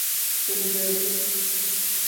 Seni gördüm.